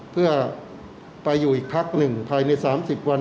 เพื่อไปอยู่อีกภาคหนึ่งภายในสามสิบวัน